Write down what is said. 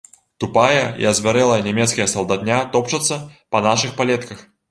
Тупая і азвярэлая нямецкая салдатня топчацца па нашых палетках.